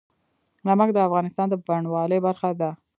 نمک د افغانستان د بڼوالۍ برخه ده.